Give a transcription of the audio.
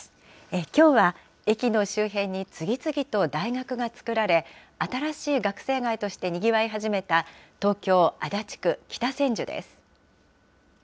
きょうは、駅の周辺に次々と大学が作られ、新しい学生街としてにぎわい始めた東京・足立区北千住です。